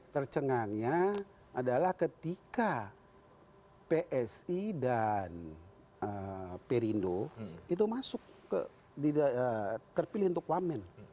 tercengangnya adalah ketika psi dan perindo itu masuk terpilih untuk wamen